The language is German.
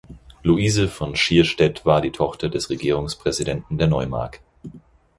Luise von Schierstedt war die Tochter des Regierungspräsidenten der Neumark.